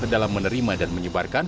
dalam menerima dan menyebarkan